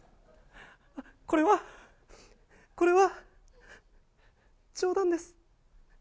これは、これは、冗談です。